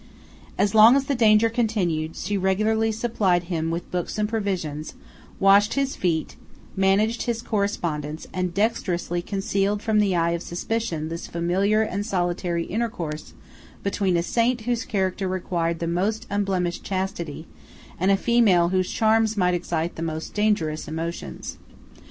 As long as the danger continued, she regularly supplied him with books and provisions, washed his feet, managed his correspondence, and dexterously concealed from the eye of suspicion this familiar and solitary intercourse between a saint whose character required the most unblemished chastity, and a female whose charms might excite the most dangerous emotions.